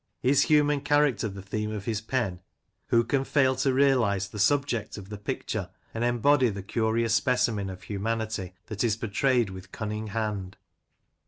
Is human character the theme of his pen ? Who can fail to realise the subject of the picture, and embody the curious specimen of humanity that is portrayed with cunning hand